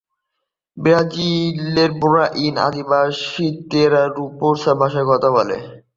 ব্রাজিলের রোরাইমা আদিবাসী Terra Raposa ভাষায় কথা বলে।